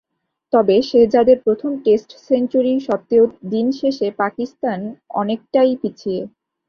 তবে শেহজাদের প্রথম test century সত্ত্বেও দিন শেষে পাকিস্তান অনেকটাই পিছিয়ে।